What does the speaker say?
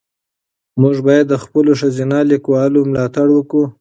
موږ باید د خپلو ښځینه لیکوالو ملاتړ وکړو.